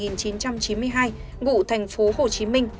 ngụ thành phố hồ chí minh